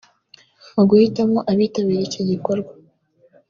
Mu guhitamo abitabira iki gikorwa